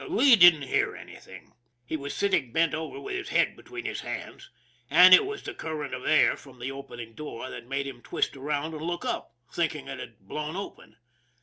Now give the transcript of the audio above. Lee didn't hear anything. He was sitting bent over with his head between his hands, and it was the current of air from the opening door that made him twist around and look up, thinking it had blown open.